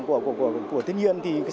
của thiên nhiên